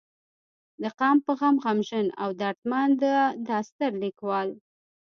د قام پۀ غم غمژن او درمند دا ستر ليکوال